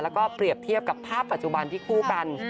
แล้วก็เปรียบเทียบกับภาพปัจจุบันที่คู่กัน